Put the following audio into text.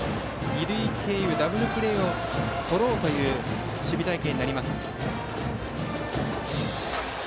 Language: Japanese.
二塁経由のダブルプレーをとろうという守備隊形。